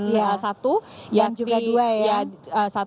dan juga dua ya